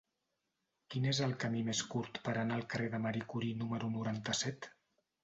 Quin és el camí més curt per anar al carrer de Marie Curie número noranta-set?